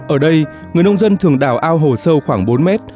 ở đây người nông dân thường đào ao hồ sâu khoảng bốn mét